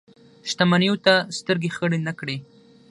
شتمنیو ته سترګې خړې نه کړي.